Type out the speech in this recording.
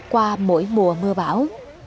qua mỗi mùa mưa bão